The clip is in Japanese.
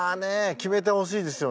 決めてほしいですよね。